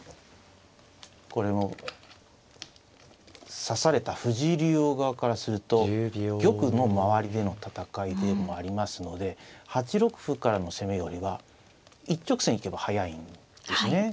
これも指された藤井竜王側からすると玉の周りでの戦いでもありますので８六歩からの攻めよりは一直線に行けば速いんですね。